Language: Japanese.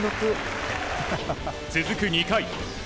続く、２回。